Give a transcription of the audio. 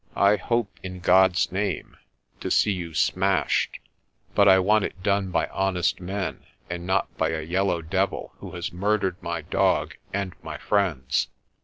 I hope, in God's name, to see you smashed; but I want it done by honest men and not by a yellow devil who has murdered my dog and my friends.